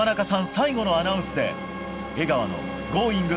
最後のアナウンスで江川の「Ｇｏｉｎｇ！」